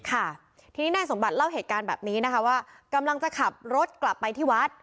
ค่ะทีนี้นายสมบัติเล่าเหตุการณ์แบบนี้นะคะว่ากำลังจะขับรถกลับไปที่วัด